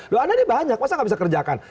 lo anaknya banyak masa nggak bisa kerjakan